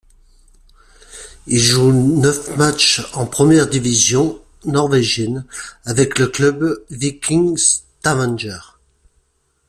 Il joue neuf matchs en première division norvégienne avec le club du Viking Stavanger.